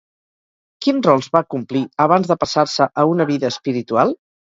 Quins rols va complir abans de passar-se a una vida espiritual?